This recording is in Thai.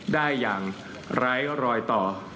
ได้อย่างไร้รอยต่อ